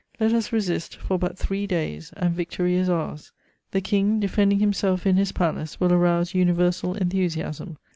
Let us resist for but three days, and victory is ours. The King, defending himself in his palace, will arouse universal enthusiasm.